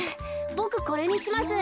ボクこれにします。